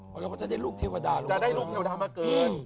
แล้วก็จะได้ลูกเทวดาจะได้ลูกเทวดามาเกิด